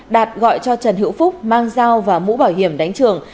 dao và mũ bảo hiểm đánh trường